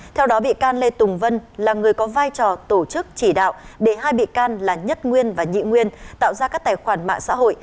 theo đó bị can lê tùng vân là người có vai trò tổ chức chỉ đạo để hai bị can là nhất nguyên và nhị nguyên tạo ra các tài khoản mạng xã hội